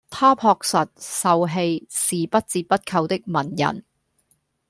他樸實、秀氣，是不折不扣的文人